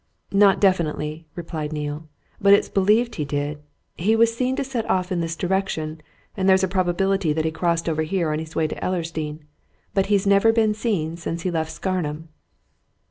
"Not definitely," replied Neale. "But it's believed he did. He was seen to set off in this direction, and there's a probability that he crossed over here on his way to Ellersdeane. But he's never been seen since he left Scarnham."